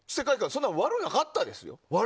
そんなに悪くなかったですよ。